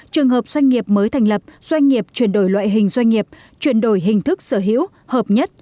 trường hợp doanh nghiệp mới thành lập doanh nghiệp chuyển đổi loại hình doanh nghiệp chuyển đổi hình thức sở hữu hợp nhất